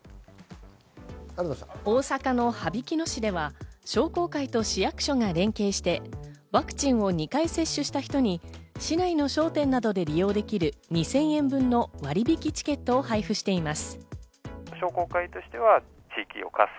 大阪の羽曳野市では商工会と市役所が連携して、ワクチンを２回接種した人に市内の商店などで利用できる２０００円分の割引チケットを配布しています。